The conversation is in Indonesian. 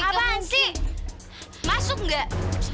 apaan sih masuk gak